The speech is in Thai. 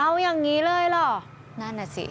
เอายังงี้เลยหรอนั่นน่ะสิ